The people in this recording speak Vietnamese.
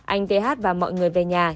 anh th và mọi người về nhà